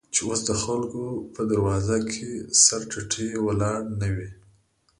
چې اوس دخلکو په دروازو، کې سر تيټى ولاړ نه وې.